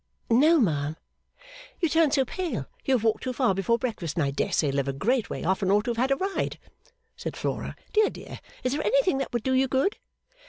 'No, ma'am.' 'You turn so pale you have walked too far before breakfast and I dare say live a great way off and ought to have had a ride,' said Flora, 'dear dear is there anything that would do you good?